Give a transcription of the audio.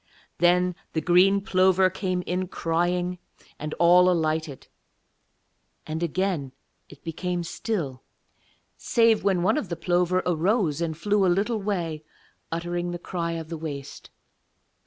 Then the green plover came in crying, and all alighted. And again it became still, save when one of the plover arose and flew a little way uttering the cry of the waste.